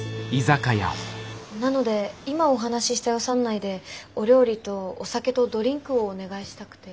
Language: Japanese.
なので今お話しした予算内でお料理とお酒とドリンクをお願いしたくて。